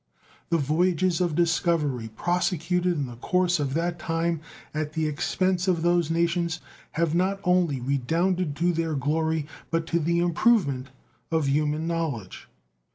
The voyages of discovery prosecuted in the course of that time at the expense of those nations have not only redounded to their glory, but to the improvement of human knowledge.